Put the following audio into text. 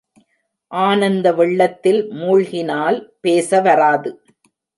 ஆனந்த வெள்ளத்தில் மூழ்கினால் பேச வராது.